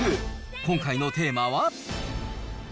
今回のテーマは。